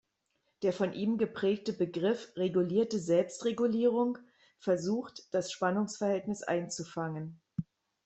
Der von ihm geprägte Begriff „regulierte Selbstregulierung“ versucht, das Spannungsverhältnis einzufangen.